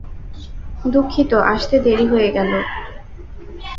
দুঃখিত, আসতে দেরি হয়ে গেলো।